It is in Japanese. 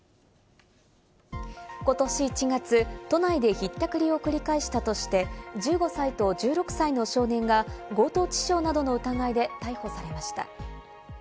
ことし１月、都内でひったくりを繰り返したとして、１５歳と１６歳の少年が強盗致傷などの疑いで逮捕されました。